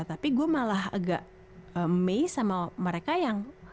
tapi gue malah agak amazed sama mereka yang